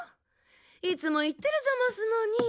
いつも言ってるざますのに。